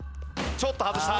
ちょっと外した。